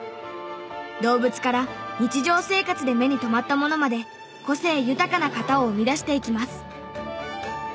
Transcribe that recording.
動物から日常生活で目に留まったものまで個性豊かな型を生み出していきます。